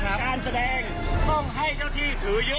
การแสดงต้องให้เจ้าที่ถือเยอะ